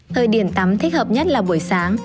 thời điểm tắm thích hợp nhất là buổi sáng